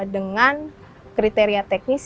dengan kriteria teknis